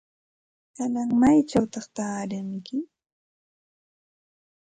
¿Kanan maychawta taaranki?